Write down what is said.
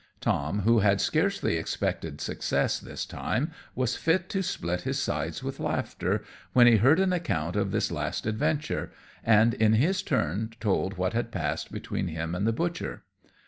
Tom, who had scarcely expected success this time, was fit to split his sides with laughter, when he heard an account of this last adventure, and in his turn told what had passed between him and the butcher.